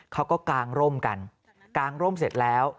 เขาก็กางร่มกันกางร่มเสร็จแล้ว